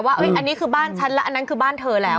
ว่าอันนี้คือบ้านฉันแล้วอันนั้นคือบ้านเธอแล้ว